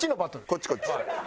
こっちこっち。